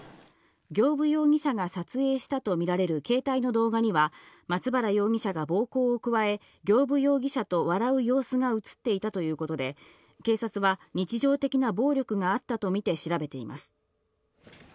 行歩容疑者が撮影したとみられる携帯の動画には松原容疑者が暴行を加え行歩容疑者と笑う様子が映っていたということで警察は日常的な暴力があったとみて調べています。